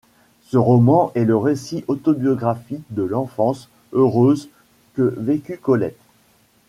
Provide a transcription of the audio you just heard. Ce roman est le récit autobiographique de l'enfance heureuse que vécut Colette.